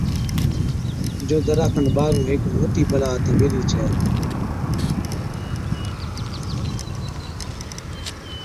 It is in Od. جو دَرا کن ٻاهرُون هيڪ موٽِي بَلا آتِي ٻيهلِي ڇَي۔